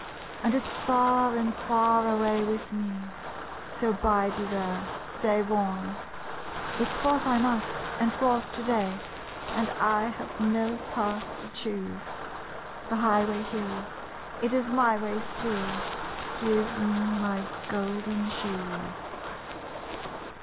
And it's far and far away with me; So bide you there, stay warm. It's forth I must, and forth to day; And I have no path to choose. The highway hill, it is my way still. Give me my golden shoes.